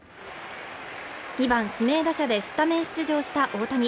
２番・指名打者でスタメン出場した大谷。